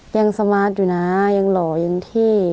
สมาร์ทอยู่นะยังหล่อยังเท่